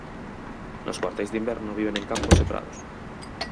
Nos cuarteis de inverno viven en campos e prados.